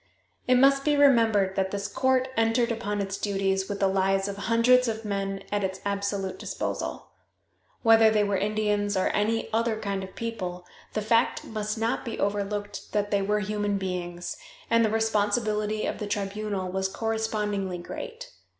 It must be remembered that this court entered upon its duties with the lives of hundreds of men at its absolute disposal. Whether they were Indians or any other kind of people, the fact must not be overlooked that they were human beings, and the responsibility of the tribunal was correspondingly great.